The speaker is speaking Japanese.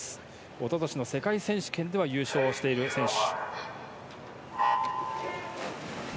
一昨年の世界選手権では優勝している選手。